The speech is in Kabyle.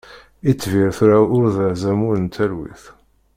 Itbir tura ur d azamul n talwit.